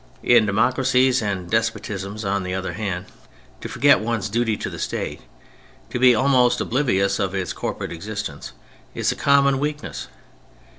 In democracies and despotisms, on the other hand, to forget one's duty to the State, to be almost oblivious of its corporate existence, is a connnon weakness.